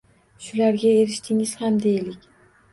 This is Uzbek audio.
Shularga erishdingiz ham deylik.